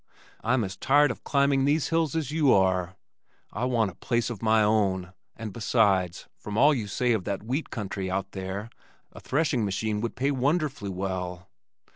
I'm as tired of climbing these hills as you are. I want a place of my own and besides, from all you say of that wheat country out there, a threshing machine would pay wonderfully well."